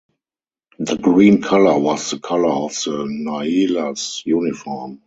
The green colour was the colour of the Nyilas uniform.